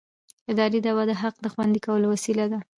اداري دعوه د حق د خوندي کولو وسیله ده.